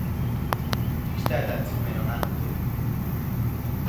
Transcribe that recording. Bista eta entzumen ona dute.